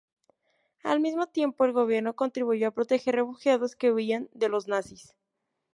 Al mismo tiempo, el gobierno contribuyó a proteger refugiados que huían de los nazis.